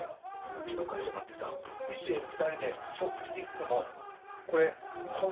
うちの会社なんてさ異性２人で食事に行くのもこれコンプラ違反で禁止なんだってよ。